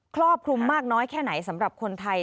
ครอบคลุมมากน้อยแค่ไหนสำหรับคนไทย